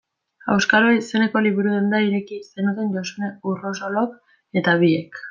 Auskalo izeneko liburu-denda ireki zenuten Josune Urrosolok eta biek.